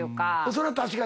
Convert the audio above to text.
それは確かに。